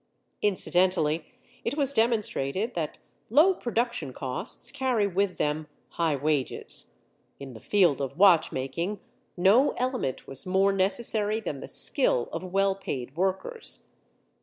Incidentally, it was demonstrated that low production costs carry with them high wages. In the field of watchmaking, no element was more necessary than the skill of well paid workers.